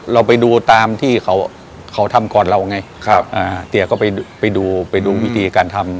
เราไปดูตามที่เขาเขาทำก่อนเราไงครับอ่าเตี๋ยก็ไปดูไปดูวิธีการทำ